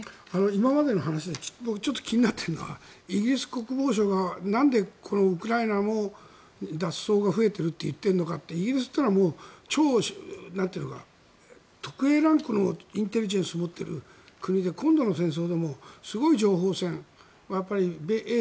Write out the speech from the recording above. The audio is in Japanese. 今までの話で僕、ちょっと気になっているのがイギリス国防省がなんでウクライナも脱走が増えていると言っているのかってイギリスというのは超特Ａランクのインテリジェンスを持っている国で今度の戦争でもすごい情報戦米英